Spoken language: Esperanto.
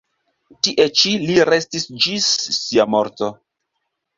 Tie ĉi li restis ĝis sia morto.